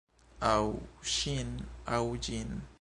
Aŭ... ŝin, aŭ ĝin.